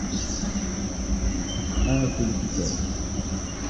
آكل كتاباً.